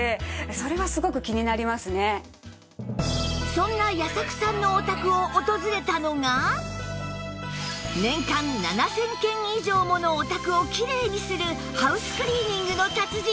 そんな矢作さんのお宅を訪れたのが年間７０００軒以上ものお宅をきれいにするハウスクリーニングの達人